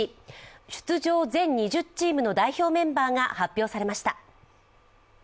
出場全２０チームの代表メンバーが発表されました。